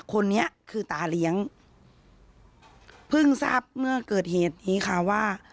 คนนี้คือตาเลี้ยงเพิ่งทราบเมื่อเกิดเหตุนี้ค่ะว่า